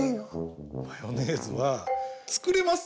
マヨネーズはつくれます！